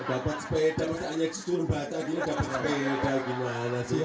bapak sepeda makanya disuruh baca gini dapat sepeda gimana sih